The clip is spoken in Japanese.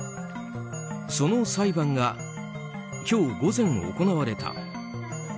その裁判が、今日午前行われた。